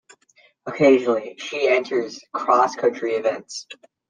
Occasionally, she enters cross country events.